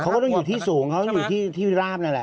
เขาก็ต้องอยู่ที่สูงอยู่ที่ราบนั่นแหละ